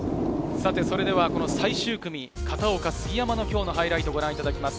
最終組、片岡・杉山の今日のハイライト、ご覧いただきます。